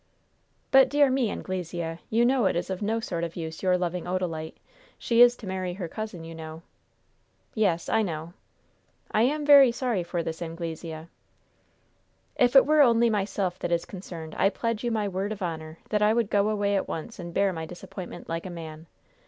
"But, dear me, Anglesea, you know it is of no sort of use your loving Odalite. She is to marry her cousin, you know." "Yes, I know." "I am very sorry for this, Anglesea." "If it were only myself that is concerned I pledge you my word of honor that I would go away at once and bear my disappointment like a man.